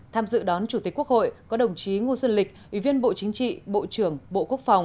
tham dự đón chủ tịch quốc hội có đồng chí ngô xuân lịch ủy viên bộ chính trị bộ trưởng bộ quốc phòng